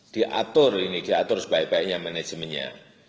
diatur ini diatur sebaik baiknya manajemennya